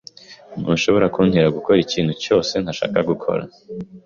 Ntushobora kuntera gukora ikintu cyose ntashaka gukora.